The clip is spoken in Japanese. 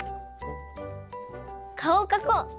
かおをかこう！